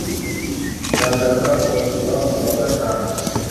nzagaruka kubasura kuwa gatanu